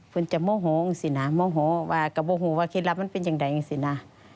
คุณจะโมโหงสินะโมโหว่ากระโบหูว่าคิดลับมันเป็นอย่างไหนสินะ